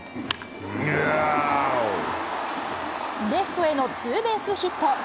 レフトへのツーベースヒット。